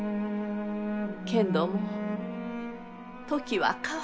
けんども時は変わった。